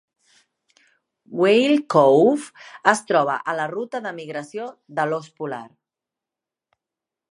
Whale Cove es troba a la ruta de migració de l'os polar.